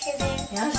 よし！